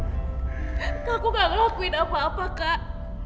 aku gak ngelakuin apa apa kak